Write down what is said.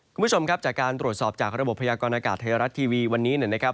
คุณผู้ชมครับจากการตรวจสอบจากระบบพยากรณากาศไทยรัฐทีวีวันนี้นะครับ